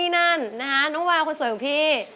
นะฮะน้องมาคุณสวยของพี่